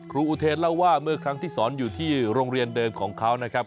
อุเทนเล่าว่าเมื่อครั้งที่สอนอยู่ที่โรงเรียนเดิมของเขานะครับ